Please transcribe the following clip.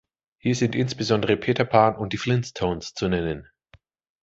Hier sind insbesondere „Peter Pan“ und „Die Flintstones“ zu nennen.